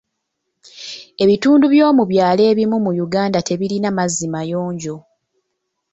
Ebitundu by'omu byalo ebimu mu Uganda tebirina mazzi mayonjo.